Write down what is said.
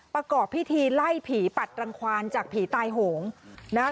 ประกอบพิธีไล่ผีปัดรังควานจากผีตายโหงนะฮะ